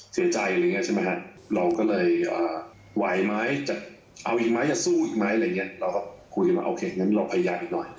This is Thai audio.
เสียใจเราก็เลยไหวไหมจะเอาอีกไหมจะสู้อีกไหมเราก็คุยกันว่าโอเคงั้นเราพยายามอีกหน่อย